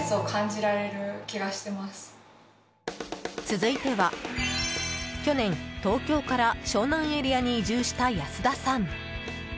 続いては去年、東京から湘南エリアに移住した安田さん。